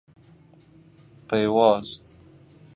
پیواز